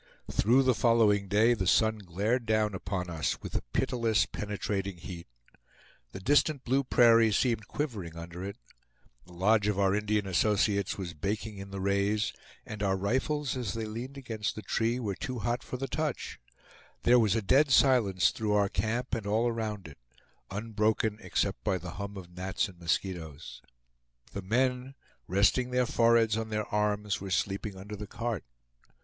Through the following day the sun glared down upon us with a pitiless, penetrating heat. The distant blue prairie seemed quivering under it. The lodge of our Indian associates was baking in the rays, and our rifles, as they leaned against the tree, were too hot for the touch. There was a dead silence through our camp and all around it, unbroken except by the hum of gnats and mosquitoes. The men, resting their foreheads on their arms, were sleeping under the cart.